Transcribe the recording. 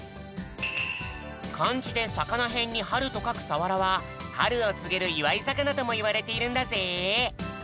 かんじでさかなへんにはるとかくさわらははるをつげるいわいざかなともいわれているんだぜ！